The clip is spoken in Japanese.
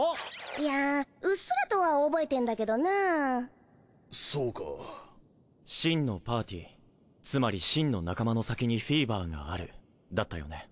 いやうっすらとは覚えてんだけどなーそうか「真のパーティつまり真の仲間の先にフィーバーがある」だったよね？